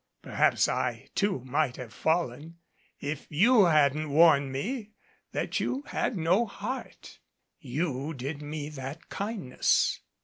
Perhaps 232 NEMESIS I, too, might have fallen if you hadn't warned me that you had no heart. You did me that kindness."